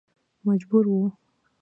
مجبور و.